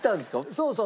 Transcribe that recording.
そうそう。